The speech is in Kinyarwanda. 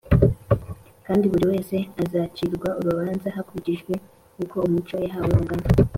, kandi buri wese azacirwa urubanza hakurikijwe uko umucyo yahawe ungana